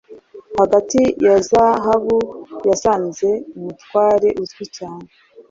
Hagati ya zahabu yasanze umutware uzwi cyane